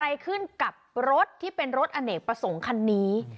อะไรขึ้นกับรถที่เป็นรถอเนกประสงค์คันนี้